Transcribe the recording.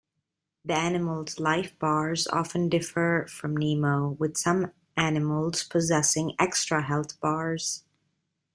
The animal's life-bars often differ from Nemo, with some animals possessing extra health bars.